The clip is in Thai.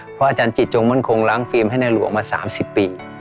เพราะอาจารย์จิตจงมั่นคงล้างฟิล์มให้ในหลวงมา๓๐ปี